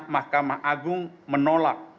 mahkamah agung menolak